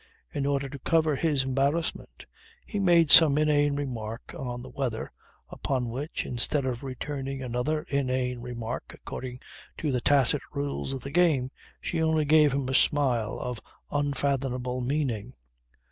In order to cover his embarrassment, he made some inane remark on the weather, upon which, instead of returning another inane remark according to the tacit rules of the game, she only gave him a smile of unfathomable meaning.